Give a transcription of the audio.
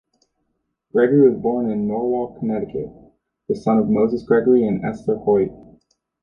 Gregory was born in Norwalk, Connecticut, the son of Moses Gregory and Esther Hoyt.